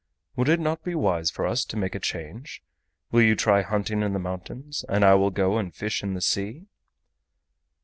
Would it not be wise for us to make a change? Will you try hunting in the mountains and I will go and fish in the sea?"